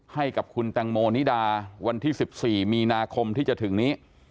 ให้กับคุณแตงโมนิดาวันที่๑๔มีนาคมที่จะถึงนี้